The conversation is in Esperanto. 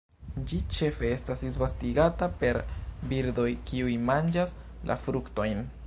Ĝi ĉefe estas disvastigata per birdoj kiuj manĝas la fruktojn.